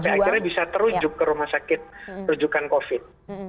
dua belas jam sampai akhirnya bisa terujuk ke rumah sakit rujukan covid